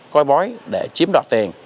coi bói để chiếm đọt tiền